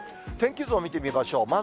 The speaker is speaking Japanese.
天気図を見てみましょう。